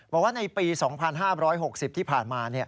บอกว่าในปี๒๕๖๐ที่ผ่านมา